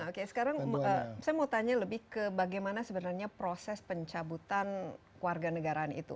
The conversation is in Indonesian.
oke sekarang saya mau tanya lebih ke bagaimana sebenarnya proses pencabutan warga negaraan itu